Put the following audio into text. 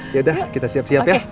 yaudah kita siap siap ya